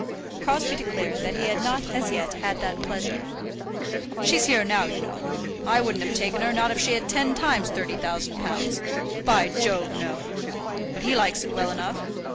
Crosbie declared that he had not as yet had that pleasure. "She's here now, you know. I wouldn't have taken her, not if she'd had ten times thirty thousand pounds. By Jove, no. But he likes it well enough.